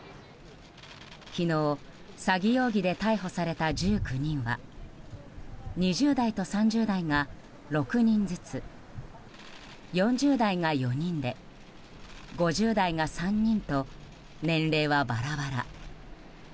昨日、詐欺容疑で逮捕された１９人は２０代と３０代が６人ずつ４０代が４人で５０代が３人と年齢はバラバラ。